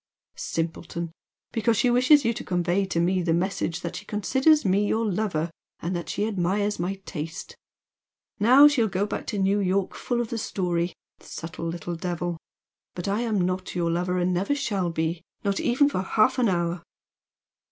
"Simpleton! Because she wishes you to convey to me the message that she considers me your lover and that she admires my taste! Now she'll go back to New York full of the story! Subtle little devil! But I am not your lover, and never shall be, not even for half an hour!"